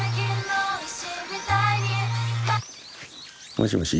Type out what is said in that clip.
もしもし。